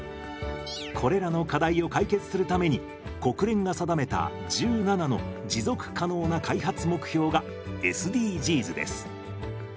これらの課題を解決するために国連が定めた１７の持続可能な開発目標がＳＤＧｓです。